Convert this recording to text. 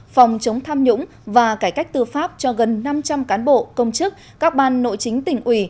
phòng chống tham nhũng và cải cách tư pháp cho gần năm trăm linh cán bộ công chức các ban nội chính tỉnh ủy